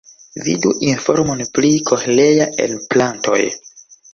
Vidu informon pri koĥlea-enplantoj.